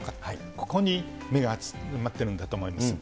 ここに目が集まってるんだと思います。